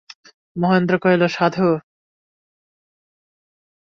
মহেন্দ্র কহিল, সাধু!